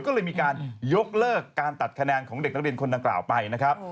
ก็เลยมีการยกเลิกการตัดคะแนนของเด็กนักเรียนคนดังกล่าวไปนะครับ